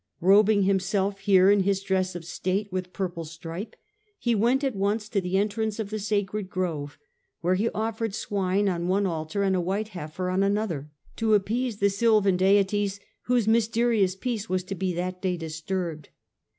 Robing himself here in his dress of state with purple stripe, he went at once to the entrance of the sacred grove, where he offered swine on one altar and a white heifer on a second, to appease the sylvan deities whose mysterious peace was to be that day dis turbed.